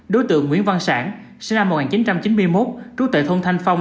đối tượng nguyễn văn sản sinh năm một nghìn chín trăm chín mươi một trú tại thôn thanh phong